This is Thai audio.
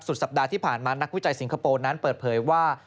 สัปดาห์ที่ผ่านมานักวิจัยสิงคโปร์นั้นเปิดเผยว่า